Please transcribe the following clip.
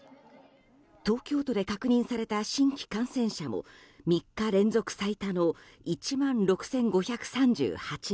東京都で確認された新規感染者も３日連続最多の１万６５３８人。